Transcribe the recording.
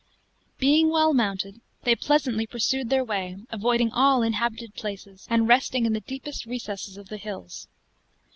Being well mounted, they pleasantly pursued their way, avoiding all inhabited places, and resting in the deepest recesses of the hills.